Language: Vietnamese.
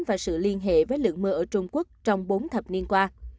và sự liên hệ với lượng mưa ở trung quốc trong bốn thập niên qua